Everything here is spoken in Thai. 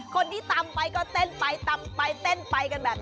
คนที่ตำไปก็เต้นไปตำไปเต้นไปกันแบบนี้